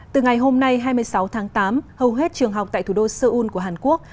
từ ngày hôm nay hai mươi sáu tháng tám hầu hết trường học tại thủ đô seoul của hàn quốc